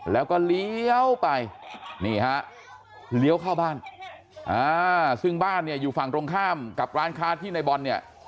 แล้วก็เลี้ยวไปนี่ฮะเลี้ยวเข้าบ้านซึ่งบ้านเนี่ยอยู่ฝั่งตรงข้ามกับร้านค้าที่ในบอลเนี่ย